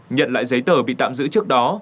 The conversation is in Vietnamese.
nhận lại giấy tờ bị tạm giữ trước đó